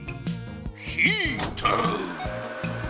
ヒーター！